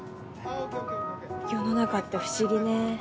世の中って不思議ね。